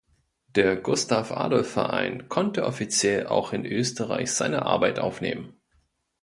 Der Gustav-Adolf-Verein konnte offiziell auch in Österreich seine Arbeit aufnehmen.